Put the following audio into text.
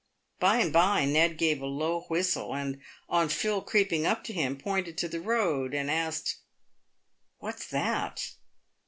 By and by Ned gave alow whistle, and, on Phil creeping up to him, pointed to the road, and asked '" What's that?"